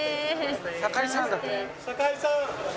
酒井さん！